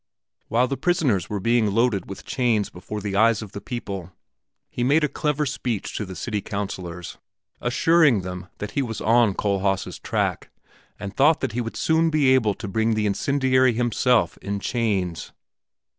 While the prisoners were being loaded with chains before the eyes of the people, he made a clever speech to the city councilors, assuring them that he was on Kohlhaas' track and thought that he would soon be able to bring the incendiary himself in chains.